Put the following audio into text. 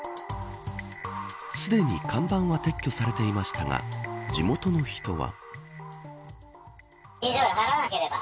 すでに看板は撤去されていましたが地元の人は。